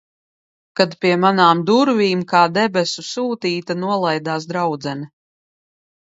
Kad pie manām durvīm, kā debesu sūtīta, nolaidās draudzene.